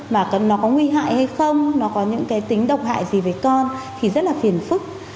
mà nó có nguy hại hay không nó có những cái tính độc hại gì với con thì rất là phiền phức